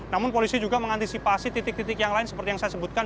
namun polisi juga mengantisipasi titik titik yang lain seperti yang saya sebutkan